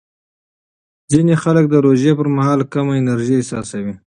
ځینې خلک د روژې پر مهال کم انرژي احساسوي.